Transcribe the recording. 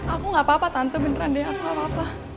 aku gak apa apa tante beneran deh aku gak apa apa